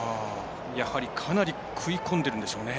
やはりかなり食い込んでるんでしょうね。